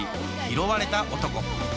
「拾われた男」。